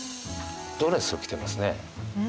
ドレスを着てますね。